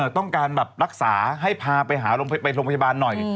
ต้องการแบบรักษาให้พาไปหาโรงพยาบาลหน่อย